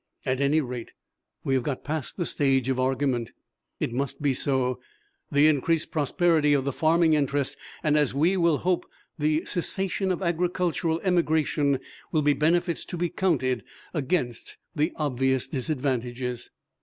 At any rate, we have got past the stage of argument. It must be so. The increased prosperity of the farming interest, and, as we will hope, the cessation of agricultural emigration, will be benefits to be counted against the obvious disadvantages.